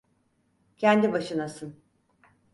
Kendi başınasın.